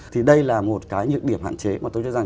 thì đây là một cái nhược điểm hạn chế mà tôi cho rằng